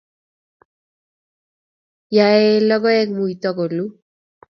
Yaei logoek muito koluu